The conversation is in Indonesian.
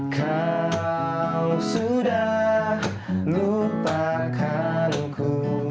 kau sudah lupakan ku